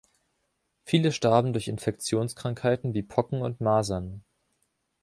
Viele starben durch Infektionskrankheiten wie Pocken und Masern.